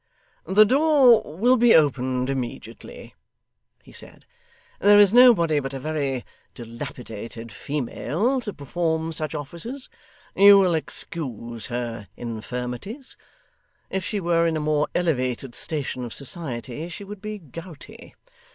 'The door will be opened immediately,' he said. 'There is nobody but a very dilapidated female to perform such offices. You will excuse her infirmities? If she were in a more elevated station of society, she would be gouty.